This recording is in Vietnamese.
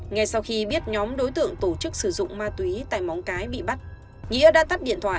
ngay sau khi biết nhóm đối tượng tổ chức sử dụng ma túy tại móng cái bị bắt nghĩa đã tắt điện thoại